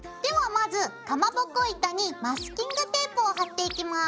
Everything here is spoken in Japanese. まずかまぼこ板にマスキングテープを貼っていきます。